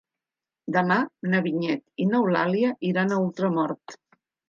Demà na Vinyet i n'Eulàlia iran a Ultramort.